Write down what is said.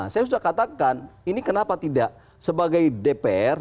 saya sudah katakan ini kenapa tidak sebagai dpr